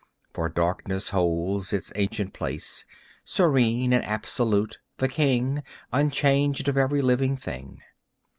For darkness holds its ancient place, Serene and absolute, the king Unchanged, of every living thing.